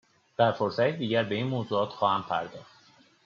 در فرصتی دیگر به این موضوعات خواهم پرداخت